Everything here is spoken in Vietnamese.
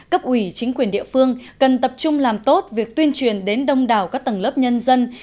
cấp ủy chính quyền địa phương cần tập trung làm tốt việc tuyên truyền đến đông đảo các tầng lớp nhân dân